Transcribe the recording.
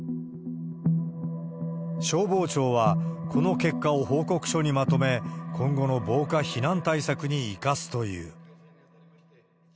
消防庁はこの結果を報告書にまとめ、今後の防火・避難対策に生かすという。